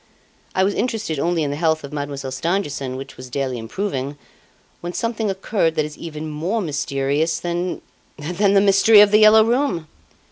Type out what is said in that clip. I was interested only in the health of Mademoiselle Stangerson, which was daily improving, when something occurred that is even more mysterious than than the mystery of "The Yellow Room"!"